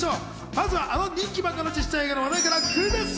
まずはあの人気漫画の実写映画の話題からクイズッス。